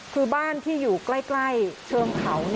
คือบ้านที่อยู่ใกล้เชิงเขา